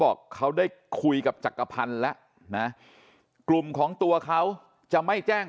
บอกเขาได้คุยกับจักรพันธ์แล้วนะกลุ่มของตัวเขาจะไม่แจ้ง